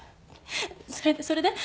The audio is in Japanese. それでそれで？